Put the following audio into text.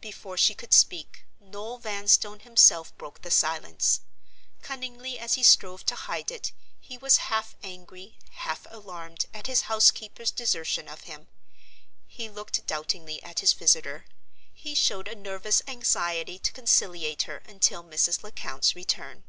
Before she could speak, Noel Vanstone himself broke the silence. Cunningly as he strove to hide it, he was half angry, half alarmed at his housekeeper's desertion of him. He looked doubtingly at his visitor; he showed a nervous anxiety to conciliate her until Mrs. Lecount's return.